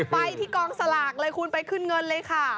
ไปที่กองสลากเลยคุณไปขึ้นเงินเลยค่ะ